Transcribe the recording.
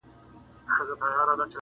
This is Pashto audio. نغمې مو لکه سیل نه جدا شوي زاڼې ژاړي